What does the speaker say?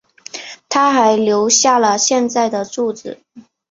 她还留下了现在的住址。